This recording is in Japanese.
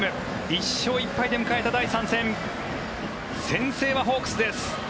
１勝１敗で迎えた第３戦先制はホークスです。